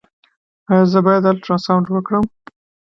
ایا زه باید الټراساونډ وکړم؟